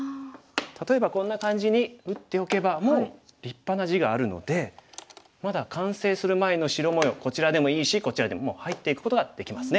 例えばこんな感じに打っておけばもう立派な地があるのでまだ完成する前のこちらでもいいしこちらでももう入っていくことができますね。